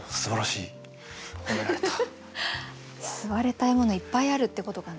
吸われたいものいっぱいあるってことかな。